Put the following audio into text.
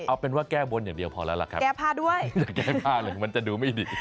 เอาเป็นว่าแก้บนอย่างเดียวพอแล้วล่ะครับแก้ผ้าด้วยอย่าแก้ผ้าเลยมันจะดูไม่ดี